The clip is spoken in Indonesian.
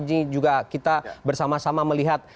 ini juga kita bersama sama melihat